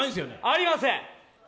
ありません！